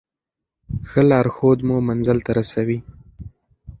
ښه لارښود مو منزل ته رسوي.